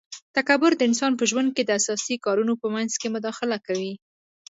تکبر د انسان په ژوند کي د اساسي کارونو په منځ کي مداخله کوي